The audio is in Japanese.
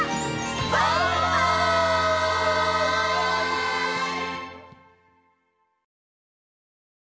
バイバイ！